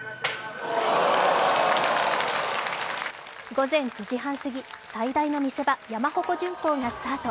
午前９時半すぎ、最大の見せ場、山鉾巡行がスタート。